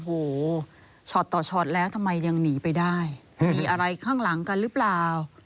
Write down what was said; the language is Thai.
โอ้โหช็อตต่อชอตแล้วทำไมยังหนีไปได้มีอะไรข้างหลังกันหรือเปล่า